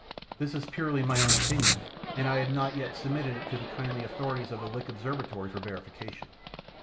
This is purely my own opinion, and I have not yet submitted it to the kindly authorities of the Lick Observatory for verification.